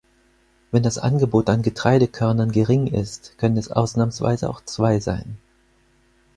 Wenn das Angebot an Getreidekörnern gering ist, können es ausnahmsweise auch zwei sein.